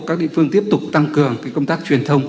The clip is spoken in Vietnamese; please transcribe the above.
các địa phương tiếp tục tăng cường công tác truyền thông